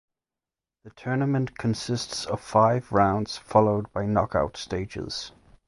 The tournament consists of five rounds followed by knockout stages.